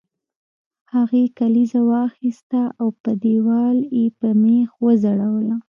هغې کلیزه واخیسته او په دیوال یې په میخ وځړوله